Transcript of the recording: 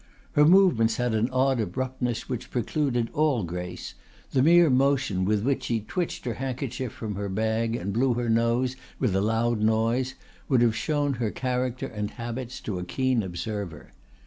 Her movements had an odd abruptness which precluded all grace; the mere motion with which she twitched her handkerchief from her bag and blew her nose with a loud noise would have shown her character and habits to a keen observer.